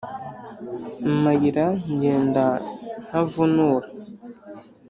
Amayira ngenda ntavunura.